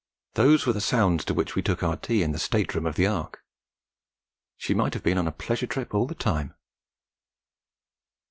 Those were the sounds to which we took our tea in the state room of the Ark. She might have been on a pleasure trip all the time.